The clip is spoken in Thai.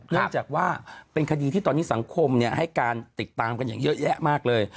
เนื่องจากว่าเป็นคดีที่ตอนนี้สังคมให้การติดตามกันอย่างเยอะแยะมากเลย